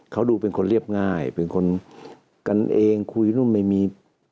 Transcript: เขาดูเป็นคนเรียบง่ายเป็นคนกันเองคุยนู่นไม่มี